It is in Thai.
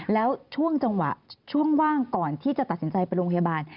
แล้วช่วงจังหวะช่วงว่างก่อนที่จะตัดสินใจไปโรงพยาบาล